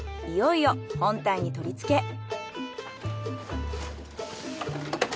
いよいよ本体に取り付け。